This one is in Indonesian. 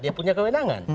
dia punya kewenangan